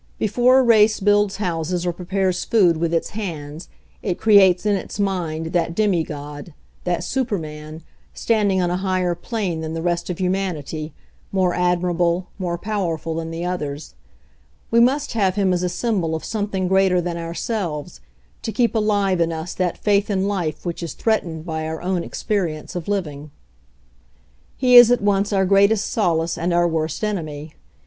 Before a race builds houses or prepares food with its hands, it creates in its mind that demigod, that superman, stand ing on a higher plane than the rest of humanity, more admirable, more powerful than the others. We must have him as a symbol of something greater than ourselves, to keep alive in us that faith in life which is threatened by our own ex perience of living. He is at once our greatest solace and our worst enemy.